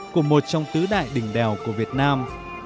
của một trong tứ đại đỉnh đèo của việt nam